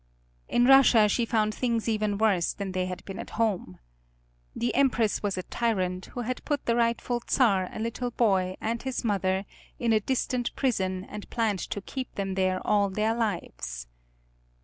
In Russia she found things even worse than they had been at home. The Empress was a tyrant who had put the rightful Czar, a little boy, and his mother, in a distant prison, and planned to keep them there all their lives.